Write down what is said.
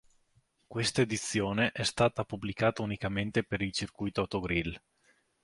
Questa edizione è stata pubblicata unicamente per il circuito autogrill.